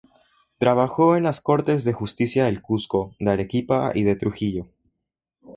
Trabajó en Las Cortes de Justicia del Cuzco, de Arequipa y de Trujillo.